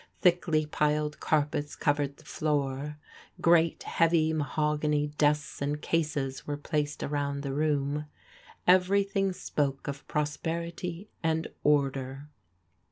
Thickly piled carpets covered the floor ; great, heavy ma hogany desks and cases were placed around the room. Ever3rthing spoke of prosperity and order.